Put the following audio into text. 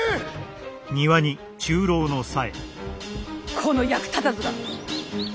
この役立たずが！